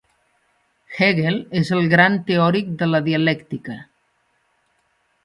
Hegel és el gran teòric de la dialèctica.